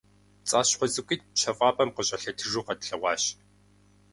ПцӀащхъуэ цӀыкӀуитӏ пщэфӀапӀэм къыщӀэлъэтыжу къэтлъэгъуащ.